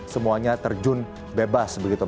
semuanya terjun bebas begitu